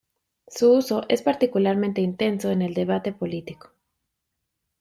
Su uso es particularmente intenso en el debate político.